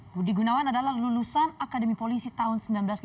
budi gunawan adalah lulusan akademi polisi tahun seribu sembilan ratus delapan puluh